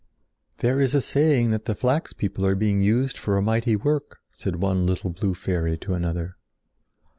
"There is a saying that the flax people are being used for a mighty work," said one little blue fairy to another.